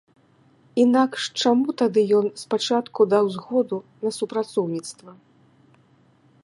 Інакш чаму тады ён спачатку даў згоду на супрацоўніцтва?